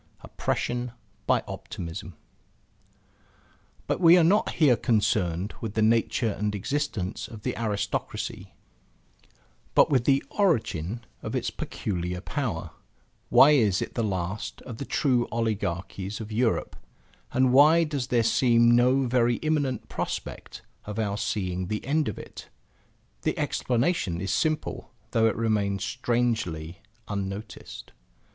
OPPRESSION BY OPTIMISM But we are not here concerned with the nature and existence of the aristocracy, but with the origin of its peculiar power, why is it the last of the true oligarchies of Europe; and why does there seem no very immediate prospect of our seeing the end of it? The explanation is simple though it remains strangely unnoticed.